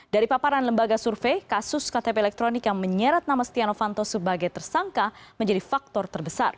dari paparan lembaga survei kasus ktp elektronik yang menyeret nama stiano fanto sebagai tersangka menjadi faktor terbesar